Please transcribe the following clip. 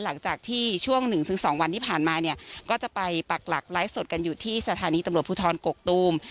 หลังจากที่ช่วง๑๒วันที่ผ่านมาเนี่ยก็จะไปปักหลักไลฟ์สดกันอยู่ที่สถานีตำรวจภูทรกกตูม